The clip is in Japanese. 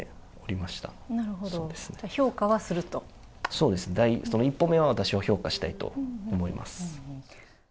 そうです、一歩目は私は評価したいと思います。